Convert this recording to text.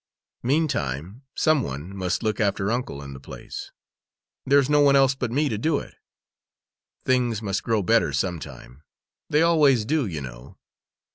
Meantime some one must look after uncle and the place; there's no one else but me to do it. Things must grow better some time they always do, you know."